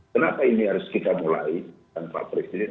kenapa ini harus kita mulai tanpa presiden